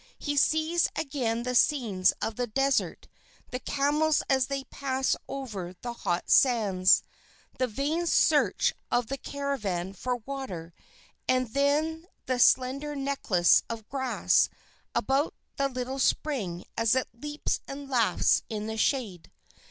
He sees again the scenes of the desert, the camels as they pass over the hot sands, the vain search of the caravan for water, and then the slender necklace of grass about the little spring as it leaps and laughs in the shade.